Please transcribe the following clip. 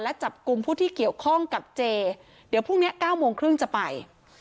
และจับกลุ่มผู้ที่เกี่ยวข้องกับเจเดี๋ยวพรุ่งนี้๙โมงครึ่งจะไป